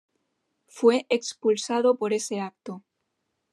Fue expulsado por ese acto.